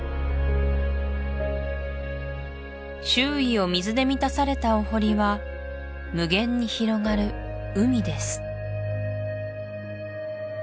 周囲を水で満たされたお堀は無限に広がる海です